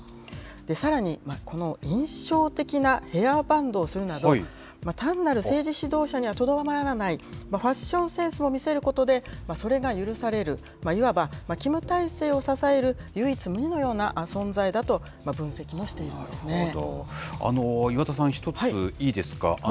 さらにこの印象的なヘアバンドをするなど、単なる政治指導者にはとどまらない、ファッションセンスも見せることでそれが許される、いわば、キム体制を支える唯一無二のような存在だと分析をしているんです岩田さん、一ついいですか。